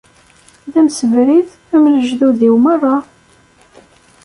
D amsebrid, am lejdud-iw merra.